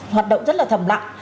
hoạt động rất là thầm lặng